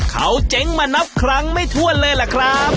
เขาเจ๊งมานับครั้งไม่ถ้วนเลยล่ะครับ